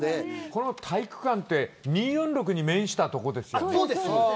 この体育館は２４６に面した所ですよね